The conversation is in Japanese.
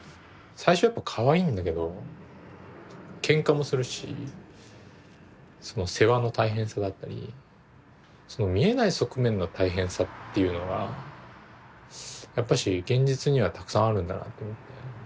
最初やっぱかわいいんだけどけんかもするしその世話の大変さだったりその見えない側面の大変さっていうのはやっぱし現実にはたくさんあるんだなと思って。